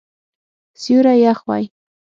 سیوری یخ وی